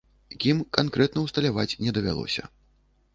Кім, канкрэтна ўсталяваць не давялося.